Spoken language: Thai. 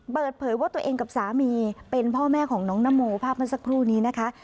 เปิดเผยว่าตัวเองกับสามีเป็นพ่อแม่ของน้องนโมภาพเมื่อสักครู่นี้นะคะ